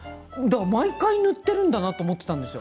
毎回塗っているんだなと思ってたんですよ。